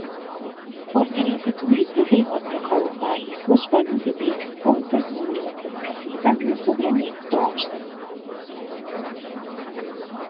Организаторите велат дека оваа изложба нуди бегство од безумниот ескапизам на современото општество.